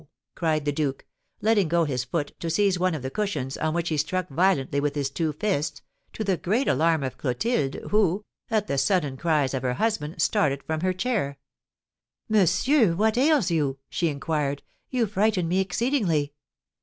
cried the duke, letting go his foot to seize one of the cushions, on which he struck violently with his two fists, to the great alarm of Clotilde, who, at the sudden cries of her husband, started from her chair. "Monsieur, what ails you?" she inquired; "you frighten me exceedingly."